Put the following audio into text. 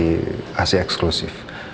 masih ac eksklusif